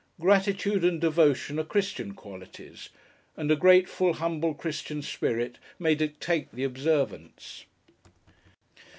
Gratitude and Devotion are Christian qualities; and a grateful, humble, Christian spirit may dictate the observance.